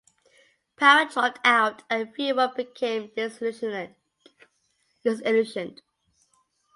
Powell dropped out, and Feuerer became disillusioned.